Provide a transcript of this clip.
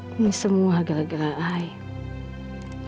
ini semua gara gara ayah